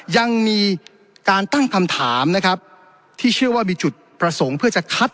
ยังมีการตั้งคำถามนะครับที่เชื่อว่ามีจุดประสงค์เพื่อจะคัด